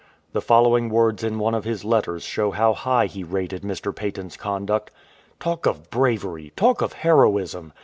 " The following words in one of his letters show how high he rated Mr. Paton's conduct :—"• Talk of bravery ! talk of heroism